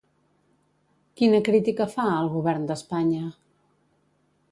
Quina crítica fa al govern d'Espanya?